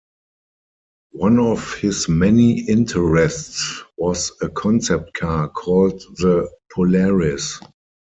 One of his many interests was a concept car called the Polaris.